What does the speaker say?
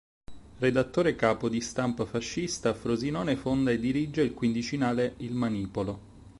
Redattore capo di Stampa fascista a Frosinone fonda e dirige il quindicinale Il manipolo.